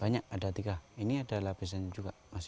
banyak ada tiga ini ada lapisan juga